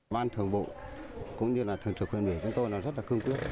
ban thường bộ cũng như là thường trưởng khuyên mỹ của chúng tôi rất là cương quyết